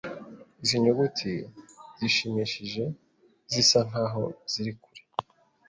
Izi nyuguti zishimishije zisa nkaho ziri kure